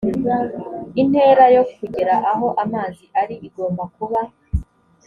intera yo kugera aho amazi ari igomba kuba